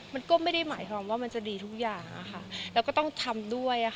มันก็ไม่ได้หมายความว่ามันจะดีทุกอย่างแล้วก็ต้องทำด้วย